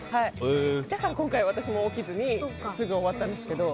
だから今回、私も起きずにすぐ終わったんですけど。